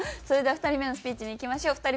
それでは２人目のスピーチにいきましょう。